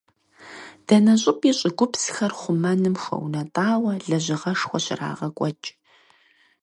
Дэнэ щӀыпӀи щӀыгупсхэр хъумэным хуэунэтӀауэ лэжьыгъэшхуэ щрагъэкӀуэкӀ.